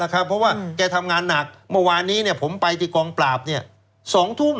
เพราะว่าแกทำงานหนักเมื่อวานนี้ผมไปที่กองปราบ๒ทุ่ม